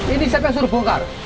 ini siapa yang suruh bongkar